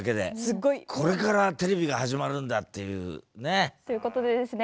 これからテレビが始まるんだっていうね。ということでですね